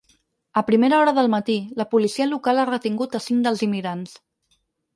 A primera hora del matí, la policia local ha retingut a cinc dels immigrants.